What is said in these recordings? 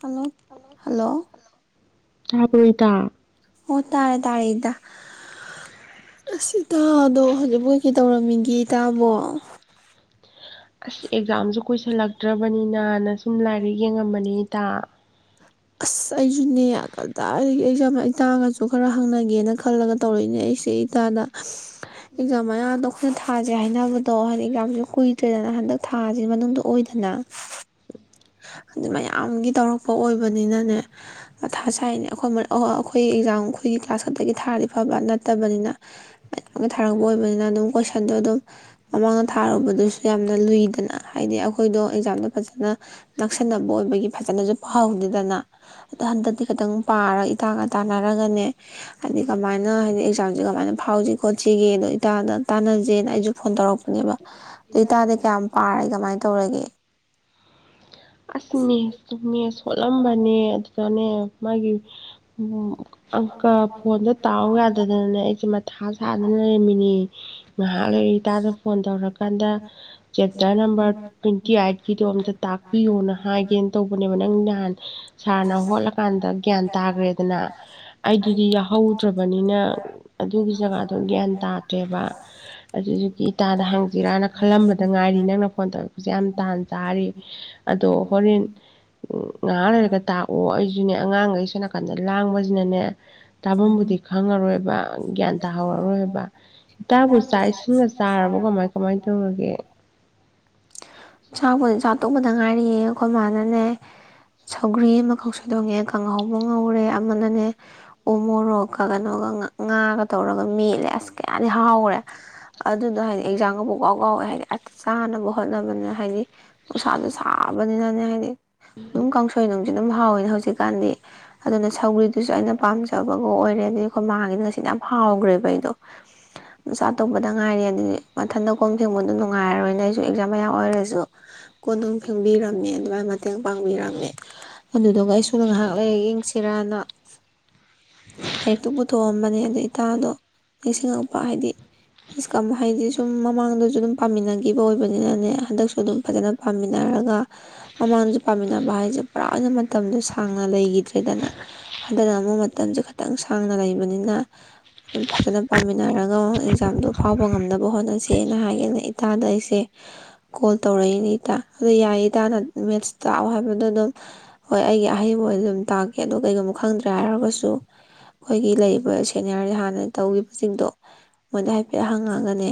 Hello hello ꯇꯥꯕ꯭ꯔꯣ ꯏꯇꯥ ꯑꯣ ꯇꯥꯔꯦ ꯇꯥꯔꯦ ꯏꯇꯥ ꯑꯁꯤ ꯇꯥꯗꯣ ꯍꯧꯖꯤꯛꯐꯥꯎꯒꯤ ꯇꯧꯔꯝꯃꯤꯒꯦ ꯒꯤ ꯇꯕꯣ ꯑꯁ ꯑꯦꯛꯖꯥꯝꯁꯨ ꯀꯨꯏꯁꯟꯂꯛ ꯐꯠꯇ꯭ꯔꯕꯅꯤꯅꯅ ꯁꯨꯝ ꯂꯥꯏꯔꯤꯛ ꯌꯦꯡꯉꯝꯕꯅꯤ ꯏꯇꯥ ꯑꯁ ꯑꯩꯁꯨ [unintelligible] ꯑꯗꯨꯣ ꯈꯔ ꯍꯪꯅꯒꯦꯅ ꯈꯜꯂꯒ ꯇꯧꯔꯛꯏꯅꯦ ꯑꯩꯁ ꯏ ꯏꯇꯥꯥꯗ ꯑꯦꯛꯖꯥꯝ ꯃꯌꯥꯝ ꯗ ꯊꯥꯁꯦ ꯍꯥꯏꯅꯕꯗꯣ ꯍꯧꯖꯤꯗꯤ ꯑꯦꯛ ꯌꯥꯝꯁ ꯀꯨꯏꯗ꯭ꯔꯦꯗꯅ ꯍꯟꯗꯛ ꯊꯥꯁꯤ ꯃꯅꯨꯡꯗ ꯑꯣꯏꯗꯅ ꯑꯗꯨ ꯃꯌꯥꯝꯒꯤ ꯇꯧꯔꯛ ꯄꯣ ꯑꯣꯏꯕꯅꯤꯅꯅꯦ ꯑꯊꯥ ꯁꯥꯏꯅꯤ ꯑꯈꯣꯏ ꯃ ꯑ ꯑ ꯑꯩꯈꯣꯏ ꯑꯦꯛꯖꯥꯝ ꯈꯨꯏꯒꯤ ꯀ꯭ꯂꯥꯁ ꯈꯛꯇꯒꯤ ꯊꯥꯔꯗꯤ ꯐꯕ ꯅꯠꯇꯕꯅꯤꯅ ꯃꯌꯥꯝꯒꯤ ꯊꯥꯔꯛꯄ ꯑꯣꯏꯕꯅꯤꯅ ꯑꯗꯨꯝ ꯀꯣꯏꯁꯟꯗꯣ ꯑꯗꯨꯝ ꯃꯃꯥꯡꯗ ꯊꯥꯔꯨꯕꯗꯨꯁꯨ ꯌꯥꯝꯅ ꯂꯨꯏꯗꯅ ꯍꯥꯏꯗꯤ ꯑꯩꯈꯣꯏꯗꯣ ꯑꯦꯛꯖꯥꯝꯗꯣ ꯐꯖꯅ ꯅꯛꯁꯟꯅꯕ ꯑꯣꯏꯕꯒꯤ ꯐꯖꯅꯁꯨ ꯐꯍꯥꯎꯗꯦꯗꯅ ꯗꯣ ꯍꯟꯗꯛꯇꯤ ꯈꯤꯇꯪ ꯄꯥꯔ ꯏꯇꯥꯒ ꯇꯥꯟꯅꯔꯒꯅꯦ ꯍꯥꯏꯗꯤ ꯀꯃꯥꯏꯅ ꯍꯥꯏꯗꯤ ꯑꯦꯛꯖꯥꯝꯁꯦ ꯀꯃꯥꯏꯅ ꯐꯥꯎꯁꯤ ꯈꯣꯠꯁꯤꯒꯦ ꯑꯗꯣ ꯏꯇꯥꯗ ꯇꯥꯟꯅꯖꯦꯅ ꯑꯩꯁꯨ ꯐꯣꯟ ꯇꯧꯔꯛꯄꯅꯦꯕ ꯗꯦꯇꯗꯤ ꯀꯌꯥꯝ ꯄꯥꯔꯒ ꯀꯃꯥꯏ ꯇꯧꯔꯒꯦ ꯑꯁ ꯃꯦ ꯃꯦꯁ ꯁꯣꯠꯂꯝꯕꯅꯦ ꯔꯃꯦ ꯃꯒꯤ ꯃꯨ ꯑꯪꯀ ꯐꯣꯟꯗꯣ ꯇꯥꯎ ꯌꯥꯗꯗꯅꯅꯦ ꯑꯩꯁꯦ ꯃꯊꯥ ꯁꯥꯗꯅ ꯂꯩꯔꯃꯤꯅꯤ ꯉꯍꯥꯛ ꯂꯩꯔꯤ ꯏꯇꯥꯗ ꯐꯣꯟ ꯇꯧꯔꯛ ꯀꯥꯟꯗ ꯆꯦꯞꯇꯔ ꯅꯝꯕꯔ ꯇ꯭ꯋꯦꯟꯇꯤ ꯑꯥꯏꯠꯀꯤꯗꯣ ꯑꯝꯇ ꯇꯥꯛ ꯅ ꯍꯥꯏꯒꯦꯅ ꯇꯧꯕꯅꯦ ꯅ ꯅꯪꯗꯤ ꯅꯍꯥꯟ ꯁꯥꯔꯅ ꯍꯣꯠꯂꯀꯥꯟꯗ ꯒ꯭ꯌꯥꯟ ꯇꯥꯈ꯭ꯔꯦꯗꯅ ꯑꯩꯗꯨꯗꯤ ꯌꯥꯎꯍꯧꯗ꯭ꯔꯕꯅꯤꯅ ꯑꯗꯨꯒꯤ ꯖꯒꯥꯗꯣ ꯒ꯭ꯌꯥꯟ ꯇꯥꯗ꯭ꯔꯦꯕ ꯑꯗꯨꯗꯨꯒꯤ ꯏꯇꯥꯗ ꯍꯥꯡꯖꯤꯔꯥꯅ ꯈꯜꯂꯝꯕꯗ ꯉꯥꯏꯔꯤ ꯅꯪꯅ ꯐꯣꯟ ꯇꯧ ꯌꯥꯝ ꯇꯥꯟ ꯇꯥꯔꯤ ꯑꯗꯣ ꯍꯣꯔꯦꯟ ꯉ ꯉꯍꯥꯛ ꯂꯩꯔꯒ ꯇꯥꯛꯑꯣ ꯑꯩꯁꯨꯅꯦ ꯑꯉꯥꯡꯒꯩ ꯁꯣ ꯅꯥꯀꯟꯗ ꯂꯥꯡꯕꯁꯤꯅꯅꯦ ꯇꯥꯕꯝꯕꯨꯗꯤ ꯈꯪꯉꯔꯣꯏꯕ ꯒ꯭ꯌꯥꯟ ꯇꯥꯍꯧꯔꯔꯣꯏꯕ ꯇꯥꯕꯨ ꯍꯤꯗꯥꯛ ꯆꯥꯛ ꯂꯩꯁꯥꯠ ꯏꯁꯤꯡꯒ ꯁꯤꯃ ꯆꯥꯔꯕꯣ ꯀꯃꯥꯏ ꯀꯃꯥꯏꯟ ꯀꯃꯥꯏꯅ ꯇꯧꯔꯒ ꯒꯦ ꯆꯥ ꯕꯣꯏ ꯆꯥ ꯇꯣꯛꯄꯗ ꯉꯥꯏ ꯌꯦ ꯈꯣꯏ ꯃꯥꯅꯥꯅꯦ ꯁꯧꯒꯔꯤ ꯑꯃ ꯀꯣꯁꯣ ꯗꯣꯡꯉꯦ ꯈꯪꯉꯧ ꯃꯨꯉꯧꯔꯦ ꯑꯃꯅꯅꯦ ꯎ ꯃꯣꯔꯣꯛꯀ ꯀꯅꯣꯒ ꯉ ꯉꯥꯒ ꯇꯧꯔꯒ ꯃꯦꯠꯂꯦ ꯑꯁ ꯀꯌꯥꯗꯤ ꯍꯥꯎꯒꯔꯦ ꯑꯗꯨꯗ ꯍꯥꯏꯗꯤ ꯑꯦꯛꯖꯥꯒꯕꯨ ꯄꯨꯀꯥꯎ ꯀꯥꯎꯋꯦ ꯍꯥꯏꯗꯤ ꯑꯠ ꯆꯥꯅꯅꯕꯥ ꯍꯣꯠꯅ ꯃꯅ ꯍꯥꯏꯗꯤ ꯅꯨꯡꯁꯥꯁꯨ ꯁꯥꯕꯅꯤꯅꯅꯦ ꯍꯥꯏꯗꯤ ꯑꯗꯨꯝ ꯀꯥꯡꯁꯣꯏ ꯅꯨꯡꯁꯨ ꯑꯗꯨꯝ ꯍꯥꯎꯋꯅꯦ ꯍꯧꯖꯤꯛꯀꯥꯟꯗꯤ ꯑꯗꯨꯅ ꯁꯧꯒ꯭ꯔꯤꯗꯨꯁꯨ ꯑꯩꯅ ꯄꯥꯝꯖꯕꯒ ꯑꯣꯏꯔꯦ ꯑꯗꯩ ꯑꯩꯈꯣꯏ ꯃꯥꯥꯡꯒꯤꯅ ꯉꯁꯤꯃ ꯌꯥꯝ ꯍꯥꯎꯈ꯭ꯔꯦꯕ ꯑꯩꯗꯣ ꯅꯨꯆꯥ ꯇꯧꯕꯗ ꯉꯥꯏꯔꯦ ꯑꯗꯗꯤ ꯃꯊꯟꯗ ꯀꯣꯝ ꯊꯦꯡꯕꯗꯣ ꯅꯨꯡꯉꯥꯏꯔꯔꯣꯏꯅ ꯑꯩꯁꯨ ꯑꯦꯛꯖꯥꯝ ꯃꯌꯥ ꯑꯣꯏꯔꯁ ꯖꯨ ꯀꯣꯅꯨꯡ ꯐꯦꯡꯕꯤꯔꯝꯃꯦ ꯑꯗꯨꯃꯥꯏ ꯃꯇꯦꯡ ꯄꯥꯡꯕꯤꯔꯝꯃꯦ ꯑꯗꯨꯗꯨꯒ ꯑꯩꯁꯨ ꯉꯍꯥꯛ ꯂꯩ ꯌꯦꯡꯁꯤꯔꯥꯅ ꯂꯥꯏꯔꯤꯛꯇꯨ ꯄꯨꯊꯣꯛꯑꯝꯕꯅꯦ ꯑꯗꯥ ꯏꯇꯥꯗꯣ ꯅꯤꯡꯁꯤꯡꯉꯛꯄ ꯍꯥꯏꯗꯤ ꯏꯁꯀꯝ ꯍꯥꯏꯗꯤ ꯁꯨꯝ ꯃꯃꯥꯡꯗꯁꯨ ꯑꯗꯨꯝ ꯄꯥꯃꯤꯟꯅꯒꯤꯕ ꯑꯣꯏꯕꯅꯤꯅꯅꯦ ꯍꯟꯗꯛꯁꯨ ꯑꯗꯨꯝ ꯐꯖꯅ ꯄꯥꯃꯤꯟꯅꯔꯒ ꯃꯃꯥꯡꯁꯨ ꯄꯥꯃꯤꯟꯅꯕ ꯍꯥꯏꯖꯦ ꯄꯨꯔꯥꯅ ꯃꯇꯝꯗꯨ ꯁꯥꯡꯅ ꯂꯩꯒꯤꯗ꯭ꯔꯦꯗꯅ ꯍꯟꯗꯛꯅ ꯑꯃꯨꯛ ꯃꯇꯝꯖꯦ ꯈ ꯈꯤꯇꯪ ꯁꯥꯡꯅ ꯂꯩꯕꯅꯤꯅ ꯑꯗꯨꯝ ꯐꯖꯅ ꯄꯥꯝꯃꯤꯟꯅꯔꯒ ꯑꯦꯛꯖꯥꯝꯗꯣ ꯐꯥꯎꯕ ꯉꯝꯅꯕ ꯍꯣꯠꯅꯁꯦꯅ ꯍꯥꯏꯒꯦꯅ ꯏꯇꯥꯗ ꯑꯩꯁꯦ ꯀꯣꯜ ꯇꯧꯔꯛꯏꯅꯦ ꯏꯇꯥ ꯑꯗꯨ ꯌꯥꯏꯌꯦ ꯇꯥꯅ ꯃꯦꯠꯁ ꯇꯥꯛꯑꯣ ꯍꯥꯏꯕꯗꯣ ꯑꯗꯨꯝ ꯍꯣꯏ ꯑꯩꯒꯤ ꯑꯍꯩꯕꯑꯣꯏꯗ ꯑꯗꯨꯝ ꯇꯥꯛꯀꯦ ꯑꯗꯣ ꯀꯩꯒꯨꯝꯕ ꯈꯪꯗ꯭ꯔꯦ ꯍꯥꯏꯔꯒꯁꯨ ꯑꯩꯈꯣꯏꯒꯤ ꯂꯩꯔꯤꯕ ꯁꯦꯅꯤꯌꯔꯒꯤ ꯍꯥꯟꯅ ꯇꯧꯒꯤꯕꯁꯤꯡꯗꯣ ꯃꯣꯏꯗ ꯍꯥꯏꯐꯦꯠ ꯍꯪꯉꯥꯒꯅꯦ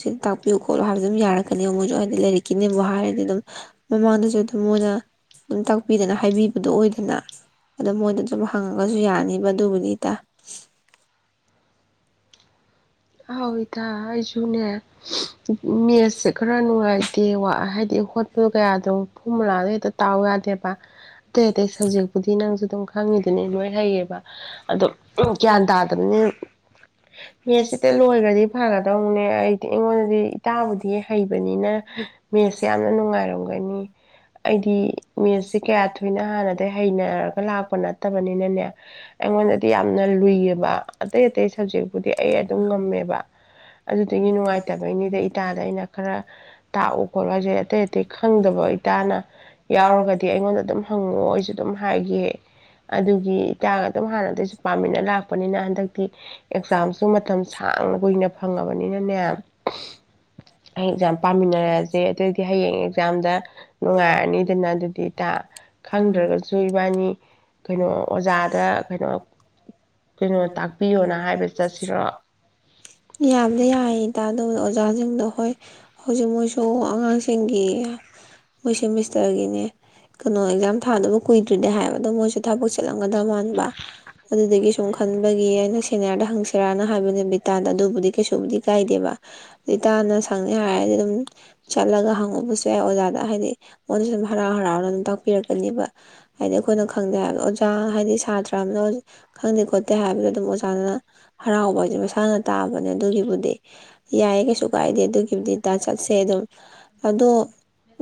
ꯁꯤ ꯇꯥꯛꯄꯤꯌꯨ ꯈꯣꯠꯂꯨ ꯍꯥꯏꯕꯗꯨ ꯑꯗꯨꯝ ꯌꯥꯔꯛꯀꯅꯤ ꯃꯣꯏꯖꯨ ꯍꯥꯏꯗꯤ ꯂꯥꯏꯔꯤꯛꯀꯤꯅꯦꯕꯨ ꯍꯥꯏꯔꯗꯤ ꯑꯗꯨꯝ ꯃꯃꯥꯡꯗꯁꯨ ꯑꯗꯨꯝ ꯃꯣꯏꯅ ꯑꯗꯨꯝ ꯇꯥꯛꯄꯤꯗꯅ ꯍꯥꯏꯕꯤꯕꯗꯣ ꯑꯣꯏꯗꯅ ꯑꯗ ꯃꯣꯏꯗ ꯑꯗꯨꯝ ꯍꯪꯉꯒꯖ ꯁꯨ ꯌꯥꯅꯤꯕ ꯑꯗꯨꯕꯨꯅꯤ ꯏꯇꯥ ꯑꯥꯎ ꯏꯇꯥ ꯑꯩꯁꯨ ꯗꯨꯅꯦ ꯃꯦꯠꯁꯦ ꯈꯔ ꯅꯨꯡꯉꯥꯏꯇꯦ ꯋꯥ ꯍꯥꯏꯗꯤ ꯍꯣꯠꯄ ꯀꯌꯥꯗꯣ ꯐꯣꯔꯃꯨꯂꯥꯗꯣ ꯍꯦꯛꯇ ꯇꯥꯎ ꯌꯥꯗꯦꯕ ꯑꯇꯩ ꯑꯇꯩ ꯁꯕꯖꯦꯛꯄꯨꯗꯤ ꯅꯪꯁꯨ ꯑꯗꯨꯝ ꯈꯪꯉꯤ ꯗꯤꯅꯦ ꯂꯣꯏ ꯍꯩꯌꯦꯕ ꯑꯗꯣ ꯎꯝ ꯒ꯭ꯌꯥꯟ ꯇꯥꯗꯕꯅꯤꯅ ꯅꯦꯠꯁꯦ ꯏꯗ ꯂꯣꯏꯈ꯭ꯔꯗꯤ ꯐꯒꯗꯧꯅꯦ ꯑꯩꯗꯤ ꯑꯩꯉꯣꯟꯗꯗꯤ ꯏꯇꯥꯕꯨꯗꯤ ꯍꯩꯕꯅꯤꯅ ꯃꯦꯠꯁꯦ ꯌꯥꯝꯅ ꯅꯨꯡꯉꯥꯏꯔꯝꯒꯅꯤ ꯑꯩꯗꯤ ꯃꯦꯠꯁꯦ ꯀꯌꯥ ꯊꯣꯏꯅ ꯍꯥꯟꯅꯗꯒꯤ ꯍꯩꯅꯔꯒ ꯂꯥꯛꯄ ꯅꯠꯇꯕꯅꯤꯅꯅꯦ ꯑꯩꯉꯣꯟꯗꯗꯤ ꯌꯥꯝꯅ ꯂꯨꯏꯌꯦꯕ ꯑꯇꯩ ꯑꯇꯩ ꯁꯕꯖꯦꯛꯄꯨꯗꯤ ꯑꯩ ꯉꯝꯃꯦꯕ ꯑꯗꯨꯒꯤ ꯅꯨꯡꯉꯥꯏꯇꯕꯩꯅꯤꯗ ꯏꯇꯥꯗ ꯑꯩꯅ ꯈꯔ ꯇꯥꯛꯎ ꯈꯣꯠꯂꯨ ꯍꯥꯏꯁꯦ ꯑꯇꯩ ꯑꯇꯩ ꯈꯪꯗꯕ ꯏꯇꯥꯅ ꯌꯥꯎꯔꯒꯗꯤ ꯑꯩꯉꯣꯟꯗ ꯑꯗꯨꯝ ꯍꯪꯉꯛꯑꯣ ꯑꯩꯁꯨ ꯑꯗꯨꯝ ꯍꯥꯏꯒꯦ ꯑꯗꯨꯒꯤ ꯏꯇꯥꯒ ꯑꯗꯨꯝ ꯍꯥꯟꯅꯗꯩꯁꯨ ꯄꯥꯝꯃꯤꯟꯅ ꯂꯥꯛꯄꯅꯤꯅ ꯍꯟꯗꯛꯇꯤ ꯑꯦꯛꯖꯥꯝꯁꯨ ꯃꯠ ꯁꯥꯡꯅ ꯀꯨꯏꯅ ꯐꯪ ꯅꯤꯅꯅꯦ ꯑꯩ ꯑꯦꯛꯖꯥꯝ ꯄꯥꯝꯃꯤꯟꯅꯔꯁꯦ ꯑꯗꯨꯏꯗꯤ ꯍꯌꯦꯡ ꯑꯦꯛꯖꯥꯝꯗ ꯅꯨꯡꯉꯥꯏꯔꯅꯤꯗꯅ ꯑꯗꯨꯗꯤ ꯏꯇꯥ ꯈꯪꯗ꯭ꯔꯒꯁꯨ ꯏꯕꯥꯅꯤ ꯀꯩꯅꯣ ꯑꯣꯖꯥꯗ ꯀꯩꯅꯣ ꯀꯩꯅꯣ ꯇꯥꯛꯄꯤꯌꯣꯅ ꯍꯥꯏꯕ ꯆꯠꯁꯤꯔꯣ ꯌꯥꯝꯗꯤ ꯌꯥꯏꯌꯦ ꯏꯇꯥ ꯑꯗꯣ ꯑꯣꯖꯥꯁꯤꯡꯗꯣ ꯍꯣꯏ ꯍꯧꯖꯤꯛ ꯃꯣꯏꯁꯨ ꯑꯉꯥꯡꯁꯤꯡꯒꯤ ꯃꯣꯏ ꯁꯦꯃꯤꯁꯇꯔꯒꯤꯅꯦ ꯀꯩꯅꯣ ꯑꯦꯛꯖꯥꯝ ꯊꯥꯗꯧꯕ ꯀꯨꯏꯗ꯭ꯔꯦꯗꯤ ꯍꯥꯏꯕ ꯑꯗꯣ ꯃꯣꯏꯁꯨ ꯊꯥꯕꯛ ꯆꯤꯜꯂꯝ ꯒꯗ ꯃꯥꯟꯕ ꯑꯗꯨꯗꯒꯤ ꯁꯨꯝ ꯈꯟꯕꯒꯤ ꯑꯩꯅ ꯁꯦꯅꯤꯌꯥꯔꯗ ꯍꯪꯁꯤꯔꯥꯅ ꯍꯥꯏꯕꯅꯦ ꯕꯤꯇꯥꯗ ꯑꯗꯨꯕꯨꯗꯤ ꯀꯩꯁꯨꯕꯨꯗꯤ ꯀꯥꯏꯗꯦꯕ꯫ ꯏꯇꯥꯅ ꯁꯪꯅꯤ ꯍꯥꯏꯔꯗꯤ ꯑꯗꯨꯝ ꯆꯠꯂꯒ ꯍꯪꯉꯨꯕꯁꯨ ꯌꯥꯏ ꯑꯣꯖꯥꯗ ꯍꯥꯏꯗꯤ ꯃꯉꯣꯟꯗꯁꯨ ꯑꯗꯨꯝ ꯍꯔꯥꯎ ꯍꯔꯥꯎꯅ ꯑꯗꯨꯝ ꯇꯥꯛꯄꯤꯔꯛꯀꯅꯦꯕ꯫ ꯍꯥꯏꯗꯤ ꯑꯩꯈꯣꯏꯅ ꯈꯪꯗꯦ ꯍꯥꯏꯕꯗ ꯑꯣꯖꯥ ꯍꯥꯏꯗꯤ ꯁꯥꯇ꯭ꯔ ꯑꯃꯅ ꯈꯪꯗꯦ ꯈꯣꯠꯇꯦ ꯍꯥꯏꯕꯗ ꯑꯗꯨꯝ ꯑꯣꯖꯥꯅ ꯍꯔꯥꯎꯕ ꯖꯤ ꯃꯁꯥꯅ ꯑꯗꯨꯒꯤꯕꯨꯗꯤ ꯌꯥꯏꯌꯦ ꯀꯩꯁꯨ ꯀꯥꯏꯗꯦ ꯑꯗꯨꯒꯤꯕꯨꯗꯤ ꯏꯇꯥ ꯆꯠꯁꯦ ꯑꯗꯨꯝ꯫ ꯑꯗꯣ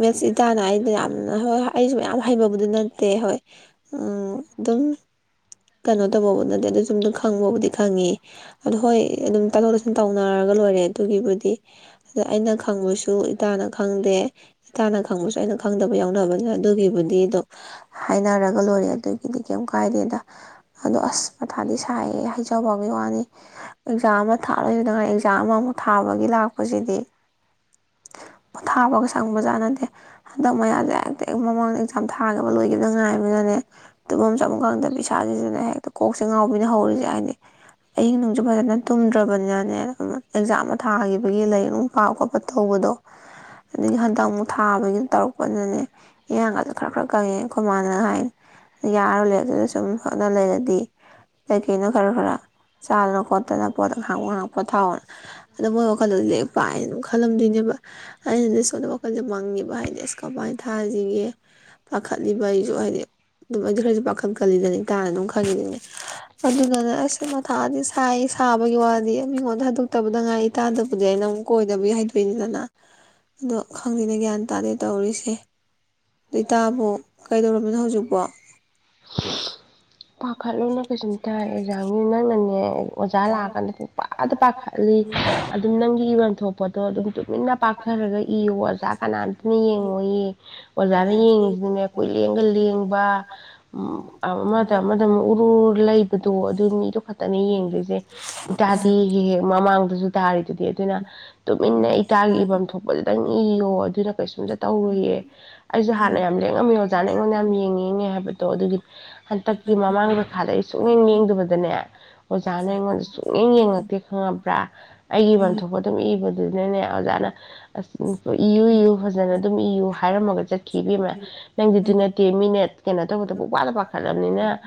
ꯃꯦꯠꯁꯦ ꯏꯇꯥꯅ ꯑꯩꯗꯣ ꯌꯥꯝꯅ ꯍꫭꯏ ꯑꯩꯁꯨ ꯌꯥꯝ ꯍꯩꯕꯕꯨꯗꯤ ꯅꯠꯇꯦ ꯍꯣꯏ ꯝꯝ ꯗꯨꯝ ꯀꯩꯅꯣ ꯇꯧꯕꯕꯨ ꯅꯠꯇꯦ ꯑꯗꯨ ꯁꯨꯝꯗ ꯈꯪꯕꯕꯨꯗꯤ ꯈꯪꯉꯤ꯫ ꯑꯗꯣ ꯍꯣꯏ ꯑꯗꯨꯝ ꯇꯥꯊꯣꯛ ꯇꯥꯁꯤꯟ ꯇꯧꯅꯔꯒ ꯂꯣꯏꯔꯦ ꯑꯗꯨꯒꯤꯕꯨꯗꯤ, ꯑꯗ ꯑꯩꯅ ꯈꯪꯕꯁꯨ ꯏꯇꯥꯅ ꯈꯪꯗꯦ, ꯏꯇꯥꯅ ꯈꯪꯕꯁꯨ ꯑꯩꯅ ꯈꯪꯗꯕ ꯌꯥꯎꯅꯕꯅꯤꯅ ꯑꯗꯨꯒꯤꯕꯨꯗꯤ ꯑꯗꯨꯝ ꯍꯥꯏꯅꯔꯒ ꯂꯣꯏꯔꯦ ꯑꯗꯨꯒꯤꯗꯤ ꯀꯩꯝ ꯀꯥꯏꯗꯦꯗ꯫ ꯑꯗꯣ ꯑꯁ ꯃꯊꯥꯗꯤ ꯁꯥꯏꯍꯦ ꯍꯥꯏꯖꯕꯒꯤ ꯋꯥꯅꯤ꯫ ꯑꯦꯛꯖꯥꯝ ꯑꯃ ꯊꯥ ꯂꯣꯏꯕꯗ ꯉꯥꯏꯔꯤ ꯑꯦꯛꯖꯥꯝ ꯑꯃꯃꯨꯛ ꯊꯥꯕꯒꯤ ꯂꯥꯛꯄꯁꯤꯗꯤ, ꯄꯣꯊꯥꯕꯒ ꯁꯪꯕꯖꯥꯠꯅꯠꯇꯦ ꯍꯟꯗꯛ ꯃꯌꯥꯁꯦ ꯍꯦꯛꯇ ꯃꯃꯥꯡꯗ ꯑꯦꯛꯖꯥꯝ ꯊꯥꯈꯤꯕ ꯂꯣꯏꯈꯤꯕꯗ ꯉꯥꯏꯃꯤꯅꯅꯦ ꯇꯨꯝꯐꯝ ꯆꯥꯐꯝ ꯈꯪꯗꯕꯤ ꯏꯁꯥ ꯖꯤꯖꯨꯅꯦ ꯍꯦꯛꯇ ꯀꯣꯛꯁꯦ ꯉꯥꯎꯕꯤꯅꯦ ꯍꯧꯔꯤꯁꯦ ꯍꯥꯏꯗꯤ꯫ ꯑꯍꯤꯡ ꯅꯨꯡꯁꯨ ꯐꯖꯅ ꯇꯨꯝꯗ꯭ꯔꯕꯅꯤꯅꯅꯦ ꯑꯦꯛꯖꯥꯝ ꯑꯃ ꯊꯥꯈꯤꯕꯒꯤ ꯂꯥꯏꯔꯤꯛ ꯑꯃꯨꯛ ꯄꯥꯕ ꯈꯣꯠꯄ ꯇꯧꯕꯗꯣ, ꯑꯗꯒꯤ ꯍꯟꯗꯛ ꯑꯃꯨꯛ ꯊꯥꯕꯒꯤꯗ ꯇꯧꯔꯛꯄꯅꯤꯅꯅꯦ, ꯏꯌꯥꯥꯡꯒꯁꯨ ꯈꯔ꯭ꯛ ꯈꯔꯛ ꯀꯪꯉꯦ ꯑꯩꯈꯣꯏ ꯏ ꯃꯥꯥꯟꯅ ꯍꯥꯏ ꯌꯥꯔꯔꯣꯏ ꯂꯥꯏꯔꯤꯛꯇꯨꯗ ꯁꯨꯝ ꯍꯣꯠꯅꯥ ꯂꯩꯔꯗꯤ, ꯀꯩꯀꯩꯅꯣ ꯈꯔ-ꯈꯔ ꯆꯥꯗꯅ ꯈꯣꯠꯇꯅ ꯄꯣꯠ ꯉꯥꯍꯥꯛ-ꯉꯥꯍꯥꯛ ꯄꯣꯠꯊꯥꯎꯅ, ꯑꯗꯣ ꯃꯣꯏ ꯋꯥꯈꯜꯗ ꯂꯥꯏꯛꯄꯥꯏꯅ ꯑꯗꯨꯝ ꯈꯜꯂꯝꯗꯣꯏꯅꯦꯕ꯫ ꯑꯩꯅꯗꯤ ꯁꯣꯝꯗ ꯋꯥꯈꯜꯁꯦ ꯃꯪꯉꯤꯕ ꯍꯥꯏꯗꯤ ꯑꯁ ꯀꯃꯥꯏꯅ ꯊꯥꯁꯤꯒꯦ, ꯄꯥꯈꯠꯂꯤꯕ ꯑꯩꯁꯨ ꯍꯥꯏꯗꯤ, [unintelligible] ꯈꯔꯁꯨ ꯄꯥꯈꯠꯀꯜꯂꯤꯗꯅ ꯑꯩꯗꯤ꯫ ꯏꯇꯥꯅ ꯑꯗꯨꯝ ꯈꯪꯉꯤꯗꯨꯅꯤ꯫ ꯑꯗꯨꯗꯅꯦ ꯑꯩꯁꯦ ꯃꯊꯥꯗꯤ ꯁꯥꯏ ꯁꯥꯕꯒꯤ ꯋꯥꯗꯤ ꯃꯤꯉꯣꯟꯗ ꯍꯥꯏꯗꯣꯛꯇꯕꯗ ꯉꯥꯏ ꯏꯇꯥꯗꯕꯨꯗꯤ ꯑꯩꯅ ꯑꯃꯨꯛ ꯀꯣꯏꯗꯕꯒꯤ ꯍꯩꯗꯣꯛꯏꯅꯤꯗꯅ꯫ ꯑꯗꯣ ꯈꯪꯗꯦꯅꯦ ꯒ꯭ꯌꯥꯟ ꯇꯥꯗꯦ ꯇꯧꯔꯤꯁꯦ꯫ ꯗꯣ ꯏꯇꯥꯕꯨ ꯀꯩꯗꯧꯔꯝ ꯅꯣ ꯍꯧꯖꯤꯛꯄꯣ ꯄꯥꯈꯠꯂꯨꯅꯨ ꯀꯩꯁꯨꯝꯇꯥ ꯑꯦꯛꯖꯥꯝꯒꯤ ꯅꯪꯅꯅꯦ ꯑꯣꯖꯥ ꯂꯥꯛꯑꯀꯥꯟꯗ ꯄꯨꯨꯡꯄꯥꯗ ꯄꯥꯈꯠꯂꯤ꯫ ꯑꯗꯨꯝ ꯅꯪꯒꯤ ꯏꯚꯝ ꯄꯣꯠꯇꯣ ꯑꯗꯨꯝ ꯇꯨꯃꯤꯟꯅ ꯄꯥꯛꯊꯔꯒ ꯏꯌꯣ ꯑꯣꯖꯥ ꯀꯅꯥꯝꯇꯅ ꯌꯦꯡꯉꯣꯏꯌꯦ꯫ ꯑꯣꯖꯥꯅ ꯌꯦꯡꯉꯤꯁꯤꯗꯤꯅꯦ ꯀꯨꯏꯂꯦꯡꯒ ꯂꯦꯡꯕ ꯎꯝ ꯑꯃꯥ ꯗ ꯑꯃꯗꯃꯨꯛ ꯎꯔꯨ ꯂꯩ ꯑꯗꯣ ꯑꯗꯨ ꯃꯤꯗꯣ ꯈꯠꯇꯅꯦ ꯌꯦꯡꯗꯣꯏꯁꯦ ꯏꯇꯥꯗꯤ ꯍꯦꯛ-ꯍꯦꯛ ꯃꯃꯥꯡꯗꯁꯨ ꯇꯥꯔꯤ ꯑꯗꯨꯗꯤ ꯑꯗꯨꯅ ꯇꯨꯃꯤꯟꯅ ꯏꯇꯥꯒꯤ ꯏꯐꯝ ꯊꯣꯛꯄꯗꯨꯗꯪ ꯏꯌꯣ ꯑꯗꯨꯅ ꯀꯩꯁꯨꯝꯇ ꯇꯧꯔꯣꯏꯌꯦ꯫ ꯑꯩꯁꯨ ꯍꯥꯟꯅ ꯌꯥꯝ ꯂꯦꯡꯉꯝꯃꯦ ꯑꯣꯖꯥꯅ ꯑꯩꯉꯣꯟꯗ ꯌꯥꯝ ꯌꯦꯡꯉꯤꯉꯦ ꯍꯥꯏꯕ ꯇꫭ ꯑꯗꯨꯒꯤ ꯍꯟꯇꯛꯀꯤ ꯃꯃꯥꯡ ꯄꯩꯈꯥꯗ ꯑꯩ ꯁꯨꯡꯌꯦꯡ ꯌꯦꯡꯗꯕꯗꯅꯦ, ꯑꯣꯖꯥꯅ ꯑꯩꯉꯣꯟꯗ ꯁꯨꯡꯌꯦꯡ ꯌꯦꯡꯉꯛꯇꯦ ꯈꯪꯉꯕ꯭ꯔꯥ꯫ ꯑꯩꯒꯤ ꯏ ꯋꯥꯟ ꯊꯣꯛꯣꯛꯄ ꯑꯗꯨꯝ ꯏꯕ ꯑꯗꯨꯅꯅꯦ ꯑꫭꯖꯥꯅ ꯑꯁ ꯎꯟ ꯏꯌꯨ-ꯏꯌꯨ ꯐꯖꯅ ꯗꯨꯝ ꯏꯌꯨ꯫ ꯍꯥꯏꯔꯝꯃꯒ ꯆꯠꯈꯤ ꯏꯕꯦꯃ ꯅꯪꯗꯤꯗꯨ ꯅꯠꯇꯦ ꯃꯤꯅ ꯀꯩꯅꯣ ꯇꯧꯕꯗꯕꯨ ꯄꯥꯗ ꯄꯥ ꯍꯜꯂꯕꯅꯤꯅ [inaudible]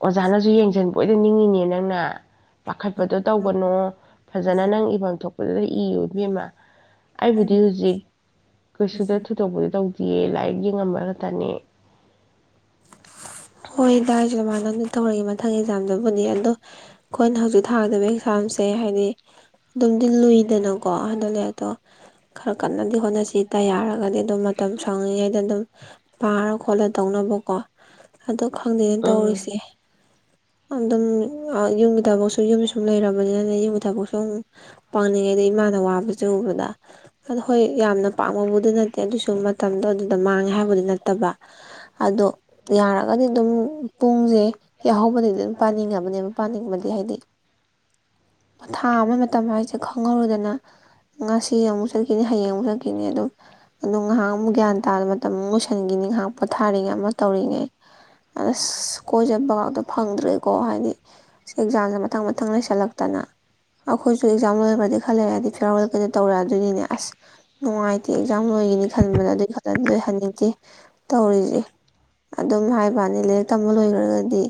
ꯑꯣꯖꯥꯅꯁꯨ ꯌꯦꯡꯁꯤꯟꯕꯣꯏꯗ ꯅꯤꯡꯉꯤꯅꯦꯅ ꯅꯪꯅ ꯄꯥꯈꯠꯄꯗꯣ ꯇꯧꯒꯅꯣ ꯐꯖꯅ ꯅꯪ ꯏꯐꯝ ꯊꯣꯛꯄꯗꯨꯗ ꯏꯌꯣ ꯏꯕꯤꯃ꯫ ꯑꯩꯕꯨꯗꯤ ꯍꯧꯖꯤꯛ ꯀꯩꯁꯨꯗ ꯊꯣꯏꯗꯣꯛꯄꯗꯤ ꯇꯧ ꯇꯤꯌꯦ ꯂꯥꯏꯔꯤꯛ ꯌꯦꯡꯉꯝꯃꯕ ꯅꯠꯇꯅꯤ ꯍꯥꯏꯗ ꯑꯩꯖꯨ ꯗꯨꯃꯥꯏꯅ ꯇꯧꯔꯏ ꯃꯊꯪꯒꯤ ꯑꯦꯛꯖꯥꯝꯗꯨꯕꯨꯅꯤ ꯑꯗꯣ ꯑꯩꯈꯣꯏꯅ ꯍꯧꯖꯤꯛ ꯊꯥꯒꯗꯕ ꯑꯦꯛꯖꯥꯝꯁꯦ ꯍꯥꯏꯗꯤ ꯑꯗꯨꯝꯗꯤ ꯂꯨꯏꯗꯅꯀꯣ ꯍꯥꯏꯗ ꯂꯩꯦ ꯑꯗꯣ ꯈꯔ ꯀꯟꯅꯗꯤ ꯍꯣꯠꯅꯁꯤ ꯇ ꯌꯥꯔꯒꯗꯤ ꯑꯗꯨꯝ ꯃꯇꯝ ꯁꯪꯂꯤꯉꯩꯗ ꯑꯗꯨꯝ ꯄꯥꯔ ꯈꯣꯠꯂ ꯇꯧꯅꯕ ꯀꯣ ꯑꯗꯨ ꯈꯪꯗꯦꯅ ꯎꯝ ꯇꯧꯔꯤꯁꯦ ꯑꯗꯨꯝ ꯌꯨꯝꯒꯤ ꯊꯕꯛꯁꯨ ꯌꯨꯝ ꯁꯨꯝ ꯂꯩꯔꯕꯅꯤꯅꯅꯦ ꯌꯨꯝꯒꯤ ꯊꯕꯛꯁꯨ ꯑꯗꯨꯨꯝ ꯄꯥꯡꯅꯤꯡꯉꯩꯗ ꯏꯃꯥꯅ ꯋꯥꯕꯁꯦ ꯎꯕꯗ ꯑꯗꯣ ꯍꯣꯏ ꯌꯥꯝꯅ ꯄꯥꯡꯕꯕꯨꯗꯤ ꯅꯠꯇꯦ ꯑꯗꯨꯏꯁꯨ ꯃꯇꯝꯗꯣ ꯑꯗꯨꯗ ꯃꯥꯡꯉꯦ ꯍꯥꯏꯕꯗꯤ ꯅꯠꯇꯕ ꯑꯗꯣ ꯌꯥꯔꯒꯗꯤ ꯑꯗꯨꯝ ꯄꯨꯡꯁꯦ ꯌꯥꯍꯧꯕꯗꯒꯤꯗꯤ ꯑꯗꯨꯝ ꯄꯥꯅꯤꯡꯉꯕꯅꯦꯕ ꯄꯥꯅꯤꯡꯕꯅꯤ ꯍꯥꯏꯗꯤ ꯊꯥ ꯑꯃ ꯃꯇꯝ ꯍꯥꯏꯁꯦ ꯈꯪꯍꯧꯔꯨꯗꯅ ꯉꯁꯤ ꯑꯃꯨꯛ ꯆꯠꯈꯤꯅꯤ ꯍꯌꯦꯡ ꯑꯃꯨꯛ ꯆꯠꯈꯤꯅꯤ ꯑꯗꯨ ꯑꯗꯣ ꯉꯥꯏꯍꯥꯛ ꯑꯃꯨꯛ ꯒ꯭ꯌꯥꯟ ꯇꯥꯕ ꯃꯇꯝ ꯑꯃꯨꯛ ꯂꯣꯏꯁꯤꯟꯈꯤꯅꯤ ꯉꯥꯏꯍꯥꯛ ꯄꯣꯊꯥꯔꯤꯉꯩ ꯑꯃ ꯇꯧꯔꯤꯉꯩ ꯑꯗ ꯀꯣꯏꯖꯠꯕꯒꯇꯣ ꯐꯪꯗ꯭ꯔꯦꯀꯣ ꯍꯥꯏꯗꯤ ꯑꯦꯛꯖꯥꯝꯁꯦ ꯃꯊꯪ ꯃꯊꯪ ꯂꯩꯁꯜꯂꯛꯇꯅ ꯑꯩꯈꯣꯏꯁꯨ ꯑꯦꯛꯖꯥꯝ ꯂꯣꯏꯕ꯭ꯔꯗꯤ ꯈꯜꯂꯔꯦꯗꯤ ꯐꯤꯌꯥꯔꯋꯦꯜ ꯀꯩꯅꯣ ꯇꯧꯔꯛꯑ ꯑꯗꯨꯣꯏꯅꯤꯅꯦ ꯑꯁ ꯅꯨꯡꯉꯥꯏꯇꯦ ꯑꯦꯛꯖꯥꯝ ꯂꯣꯏꯒꯤꯅꯤ ꯈꯟꯕꯗ ꯑꯗꯨꯒꯤ ꯈꯛꯇ ꯂꯣꯏꯍꯟꯅꯤꯡꯗꯦ ꯇꯧꯔꯤꯁꯦ ꯑꯗꯨꯝ ꯍꯥꯏꯕꯅꯤ ꯂꯥꯏꯔꯤꯛ ꯇꯝꯕ ꯂꯣꯏꯈ꯭ꯔꯒꯗꯤ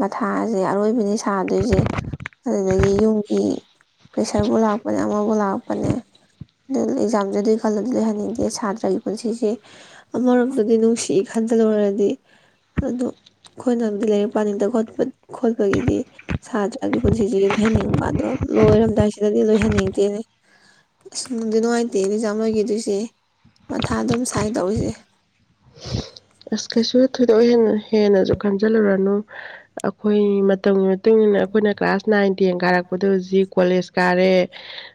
ꯃꯊꯥꯁꯦ ꯑꯔꯣꯏꯕꯅꯦ ꯁꯥꯗꯣꯏꯁꯦ ꯑꯗꯨꯗꯒꯤ ꯌꯨꯝꯒꯤ ꯄ꯭ꯔꯦꯁꯔꯕꯨ ꯂꯥꯛꯄꯅꯦ ꯑꯃꯕꯨ ꯂꯥꯛꯄꯅꯦ ꯑꯗꯨ ꯑꯦꯛꯖꯥꯝꯁꯦ ꯑꯗꯨꯒꯤ ꯈꯜꯂꯗꯤ ꯂꯣꯏꯍꯟꯅꯤꯡꯗꯦ ꯁꯥꯇ꯭ꯔꯒꯤ ꯄꯨꯟꯁꯤꯁꯦ ꯑꯃꯔꯣꯝꯛꯇꯗꯤ ꯅꯨꯡꯁꯤ ꯈꯟꯗ ꯂꯣꯏꯔꯗꯤ ꯑꯗꯨ ꯑꯩꯈꯣꯏꯅꯕꯨꯗꯤ ꯂꯥꯏꯔꯤꯛ ꯄꯥꯅꯤꯡꯗꯄ ꯈꯣꯠꯄꯒꯤꯗꯤ ꯁꯥꯇ꯭ꯔꯒꯤ ꯄꯨꯟꯁꯤꯁꯤ ꯂꯣꯏꯍꯟꯅꯤꯡꯕ ꯑꯗꯣ ꯂꯣꯏꯔꯝꯗꯥꯏꯁꯤꯗꯗꯤ ꯂꯣꯏꯍꯟꯅꯤꯡꯗꯦꯅꯦ ꯑꯁ ꯅꯨꯡꯗꯤ ꯅꯨꯡꯉꯥꯏꯇꯦ ꯑꯦꯛꯖꯥꯝ ꯂꯣꯏꯈꯤꯗꯣꯏꯁꯦ ꯃꯊꯥ ꯑꯗꯨꯝ ꯁꯥꯏꯟ ꯇꯧꯔꯤꯁꯦ ꯑꯁ ꯀꯩꯁꯨ ꯊꯣꯏꯗꯣꯛ ꯍꯦꯟꯅ ꯍꯦꯟꯅꯁꯨ ꯈꯟꯖꯤꯜꯂꯨꯔꯅꯨ ꯑꯩꯈꯣꯏ ꯃꯇꯝ ꯃꯇꯨꯡꯟꯅ ꯑꯩꯈꯣꯏꯅ ꯀ꯭ꯂꯥꯁ ꯅꯥꯏꯟ ꯇꯦꯟ ꯀꯥꯔꯛꯄꯗ ꯍꯧꯖꯤꯛ ꯀꯣꯂꯦꯖ ꯀꯥꯔꯦ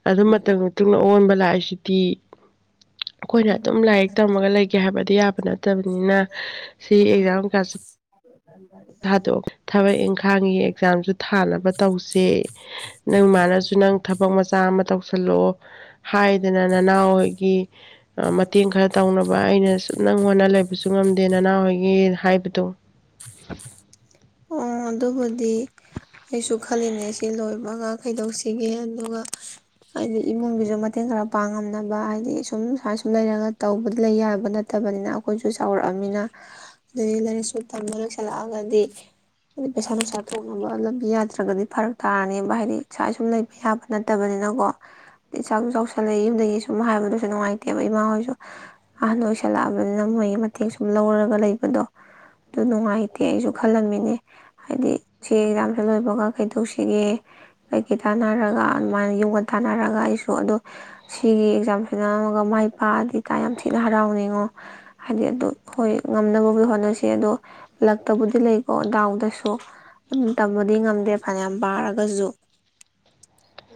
ꯑꯗꯨ ꯃꯇꯝ ꯃꯇꯨꯡ ꯑꯣꯟꯕ ꯂ ꯂꯥꯏꯁꯤꯤ ꯑꯩꯈꯣꯏꯅ ꯑꯗꯨꯝ ꯂꯥꯏꯔꯤꯛ ꯇꯝꯃꯒ ꯂꯩꯒꯦ ꯍꯥꯏꯕꯗꯤ ꯌꯥꯕ [inaudible] ꯃꯥ ꯁꯤ ꯑꯦꯛꯖꯥꯝ ꯀꯁꯤ ꯊꯥꯗꯣꯛ ꯊꯕꯛ ꯏꯪꯈꯥꯡꯒꯤ ꯑꯦꯛꯖꯥꯝꯁꯨ ꯊꯥꯅꯕ ꯇꯧꯁꯦ ꯅꯪ ꯏꯃꯅꯁꯨ ꯅꯪ ꯊꯕꯛ ꯃꯆꯥ ꯑꯃ ꯇꯧꯁꯤꯜꯂꯛꯑꯣ ꯍꯥꯏꯗꯅ ꯅꯅꯥꯎ ꯍꯣꯏꯒꯤ ꯃꯇꯦꯡ ꯈꯔ ꯇꯧꯅꯕ ꯑꯩꯅ ꯁ ꯅꯪ ꯍꯣꯠꯅ ꯂꯩꯕꯁꯨ ꯉꯝꯗꯦ ꯅꯅꯥꯎꯍꯣꯏꯒꯤ ꯍꯥꯏꯕꯗꯣ ꯑꯣ ꯑꯗꯨꯕꯨꯗꯤ ꯑꯩꯁꯨ ꯈꯜꯂꯤꯅꯦ ꯑꯩꯁꯤ ꯂꯣꯏ ꯃꯉꯥ ꯀꯩꯗꯧꯁꯤꯒꯦ ꯑꯗꯨꯒ ꯍꯥꯏꯗꯤ ꯏꯃꯨꯡ ꯕꯤꯖ ꯃ ꯃꯇꯦꯡ ꯈꯔ ꯄꯥꯡꯉꯝꯅꯕ ꯍꯥꯏꯗꯤ ꯁꯨꯝ ꯁꯨꯃꯥꯏꯅ ꯁꯨꯝ ꯂꯩꯔꯒ ꯇꯧꯕꯗꯤ ꯂꯩ ꯌꯥꯕ ꯅꯠꯇꯕꯅꯤꯅ ꯑꯩꯈꯣꯏꯁꯨ ꯆꯥꯎꯔꯛꯑꯅꯤꯅ ꯑꯗꯨꯗꯗꯒꯤ ꯂꯥꯏꯔꯤꯛꯁꯨ ꯃꯇꯝꯗ ꯂꯣꯏꯁꯜꯂꯛꯑꯒꯗꯤ ꯍꯥꯏꯗꯤ ꯄꯩꯁꯥ ꯅꯨꯡꯁꯥ ꯊꯣꯛꯅꯕ ꯂꯝꯕꯤ ꯌꯥꯗ꯭ꯔꯒꯗꯤ ꯐꯔꯛ ꯇꯥꯔꯅꯦꯕ ꯍꯥꯏꯗꯤ ꯏꯁꯥ ꯁꯨꯝ ꯂꯩꯕ ꯌꯥꯕ ꯅꯠꯇꯕꯅꯤꯅꯀꯣ ꯑ ꯏꯁꯥꯛꯁꯨ ꯆꯥꯎꯁꯜꯂꯛꯏ ꯌꯨꯝꯗꯒꯤ ꯁꯨꯝ ꯍꯥꯏꯕꯗꯨꯁꯨ ꯅꯨꯡꯉꯥꯏꯇꯦꯕ ꯏꯃꯥ ꯍꯣꯏꯁꯨ ꯑꯍꯟ ꯑꯣꯏꯣꯏꯁꯜꯂꯛꯑꯕꯅꯤꯅ ꯃꯣꯏꯒꯤ ꯃꯇꯦꯡ ꯁꯨꯝ ꯂꯧꯔꯒ ꯂꯩꯕꯗꯣ ꯑꯗꯨ ꯅꯨꯡꯉꯥꯏꯇꯦ ꯑꯩꯁꯨ ꯈꯜꯂꯝꯟꯃꯤꯅꯦ ꯍꯥꯏꯗꯤ ꯁꯤ ꯑꯦꯛꯖꯥꯝꯁꯦ ꯂꯣꯏꯕꯒ ꯀꯩꯗꯣꯛꯁꯤꯒꯦ ꯀꯩꯀꯩ ꯇꯥꯟꯅꯔꯒ ꯑꯗꯨꯃꯥꯏꯅ ꯌꯨꯝꯒ ꯇꯥꯟꯅꯔꯒ ꯑꯩꯁꯨ ꯑꯗꯣ ꯁꯤꯒꯤ ꯑꯦꯛꯖꯥꯝꯁꯤꯦ ꯅꯝꯃꯒ ꯃꯥꯏ ꯄꯥꯛꯑꯗꯤ ꯏꯇꯥꯥꯏ ꯌꯥꯝ ꯊꯤꯅ ꯍꯔꯥꯎꯅꯤꯡꯉꯣ ꯍꯥꯏꯗꯤ ꯑꯗꯨ ꯍꯣꯏ ꯉꯝꯅꯕꯒꯤ ꯍꯣꯠꯅꯁꯤ ꯑꯗꯣ ꯂꯛꯇꯕꯨꯗꯤ ꯂꯩꯀꯣ ꯗꯥꯎꯗꯁꯨ ꯑꯗꯨꯝ ꯇꯝꯕꯗꯤ ꯉꯝꯗꯦ ꯐꯅꯌꯥꯝ ꯄꯥꯔꯒꯁꯨ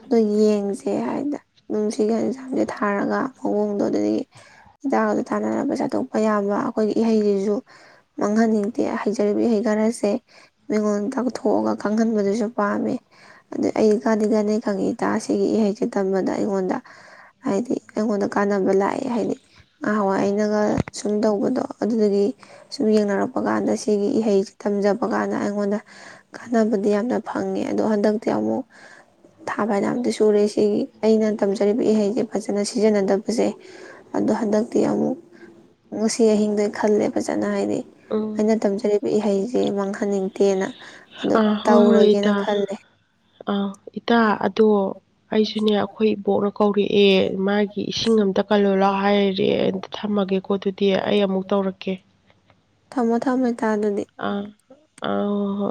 ꯑꯗꯨ ꯌꯦꯡꯁꯦ ꯍꯥꯏꯗꯅ ꯑꯗꯨꯝ ꯁꯤꯒꯤ ꯑꯦꯟꯖꯥꯝꯁꯦ ꯊꯥꯔꯒ ꯃꯑꯣꯡꯗꯣ ꯑꯗꯨꯗꯒꯤ ꯍꯤꯗꯥꯛꯒꯗ ꯊꯥꯅꯔꯅꯕ ꯆꯥꯊꯣꯛꯄ ꯌꯥꯕ ꯑꯩꯈꯣꯏꯒꯤ ꯏꯍꯩꯁꯤꯁꯨ ꯃꯥꯡꯍꯟꯅꯤꯡꯗꯦ ꯍꯩꯖꯔꯤꯕ ꯏꯍꯩ ꯈꯔꯁꯦ ꯃꯤꯉꯣꯟꯗ ꯇꯥꯛꯊꯣꯛꯑꯒ ꯈꯪꯍꯟꯕꯗꯨꯁꯨ ꯄꯥꯝꯃꯦ ꯑꯗꯨꯗ ꯑꯩ ꯀꯥꯟꯗꯤ ꯀꯅꯤ ꯈꯪꯉꯤ ꯏꯇꯥ ꯁꯤꯒꯤ ꯏꯍꯩꯁꯦ ꯇꯝꯕꯗ ꯑꯩꯉꯣꯟꯗ ꯍꯥꯏꯗꯤ ꯑꯩꯉꯣꯟꯗ ꯀꯥꯟꯅꯕ ꯂꯥꯛꯑꯦ ꯍꯥꯏꯗꯤ ꯉꯍꯥꯟꯋꯥꯏ ꯑꯩꯅꯒ ꯁꯨꯝ ꯇꯧꯕꯗꯣ ꯑꯗꯨꯗꯨꯒꯤ ꯁꯨꯝ ꯌꯦꯡꯅꯔꯛꯄ ꯀꯥꯟꯗ ꯁꯤꯒꯤ ꯏꯍꯩꯁ ꯇꯝꯖꯕ ꯀꯥꯟꯗ ꯑꯩꯉꯣꯟꯗ ꯀꯥꯟꯅꯕꯗꯤ ꯌꯥꯝꯅ ꯐꯪꯉꯦ ꯑꯗꯣ ꯍꯟꯗꯛꯇꯤ ꯑꯃꯨꯛ ꯊꯥ ꯄꯅ ꯑꯝꯇ ꯁꯨꯔꯦ ꯁꯤꯒꯤ ꯑꯩꯅ ꯇꯝꯖꯔꯤꯕ ꯏꯍꯩꯁꯦ ꯐꯖꯅ ꯁꯤꯖꯤꯟꯅꯗꯕꯁꯦ ꯑꯗꯣ ꯍꯟꯗꯛꯇꯤ ꯑꯃꯨꯛ ꯉꯁꯤ ꯑꯍꯤꯡꯗ ꯈꯜꯂꯦ ꯐꯖꯅ ꯍꯥꯏꯅꯦ ꯎꯝ ꯑꯅ ꯇ ꯆ ꯏꯍꯩꯁꯦ ꯃꯥꯡꯍꯟꯅꯤꯡꯗꯦꯅ ꯑꯗꯨ ꯑꯥ ꯍꯣꯏ ꯍꯣꯏ ꯇꯧꯔꯒꯦꯅ ꯏꯇꯥ ꯈꯜꯂꯦ ꯑꯥ ꯏꯇꯥ ꯑꯗꯣ ꯑꯩꯁꯨꯅꯦ ꯑꯩꯈꯣꯏ ꯏꯕꯣꯛꯅ ꯀꯧꯔꯛꯑꯦ ꯃꯥꯒꯤ ꯏꯁꯤꯡ ꯑꯝꯇ ꯀꯜꯂꯣ ꯂꯥꯛꯑꯣ ꯍꯥꯏꯔꯑꯦ ꯑꯝꯇ ꯊꯝꯃꯒꯦꯀꯣ ꯑꯗꯨꯗꯤ ꯑꯩ ꯑꯃꯨꯛ ꯇꯧꯔꯛꯀꯦ ꯊꯃꯣ ꯊꯃꯦ ꯑ ꯑ ꯍꯣ